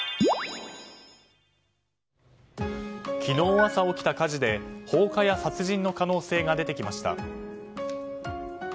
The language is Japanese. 昨日朝起きた火事で放火や殺人の可能性が出てきました。